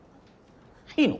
いいの？